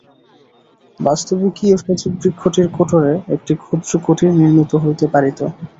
বাস্তবিকই এ সজীব বৃক্ষটির কোটরে একটি ক্ষুদ্র কুটীর নির্মিত হইতে পারিত।